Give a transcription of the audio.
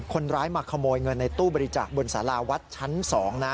คนร้ายมาขโมยเงินในตู้บริจาคบนสาราวัดชั้น๒นะ